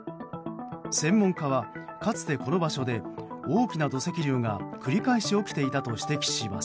専門家は、かつてこの場所で大きな土石流が繰り返し起きていたと指摘します。